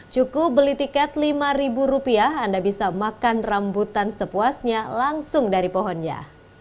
cukup beli tiket rp lima anda bisa makan rambutan sepuasnya langsung dari pohonnya